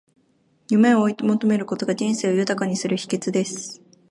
夢を追い求めることが、人生を豊かにする秘訣です。